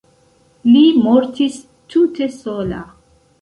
Li mortis tute sola.